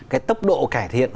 cái tốc độ cải thiện